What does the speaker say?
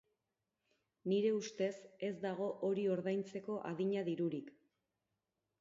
Nire ustez, ez dago hori ordaintzeko adina dirurik.